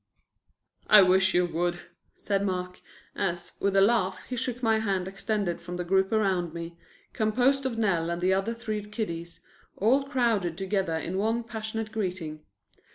"I wish you would," said Mark, as, with a laugh, he shook my hand extended from the group around me, composed of Nell and the other three kiddies, all crowded together in one passionate greeting.